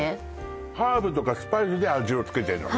ハーブとかスパイスで味をつけてるのね？